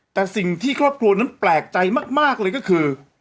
แต่สิ่งที่ครอบครัวนั้นแปลกใจมากเลยก็คือ